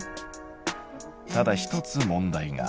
ただ一つ問題が。